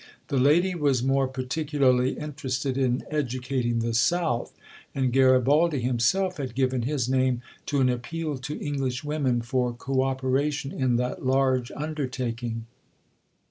The lady was more particularly interested in "educating the South," and Garibaldi himself had given his name to an appeal to Englishwomen for co operation in that large undertaking.